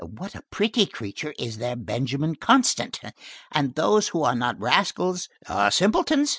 What a pretty creature is their Benjamin Constant! And those who are not rascals are simpletons!